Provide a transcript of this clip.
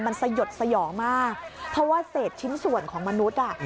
มันสยดสยองมากเพราะว่าเศษชิ้นส่วนของมนุษย์อ่ะ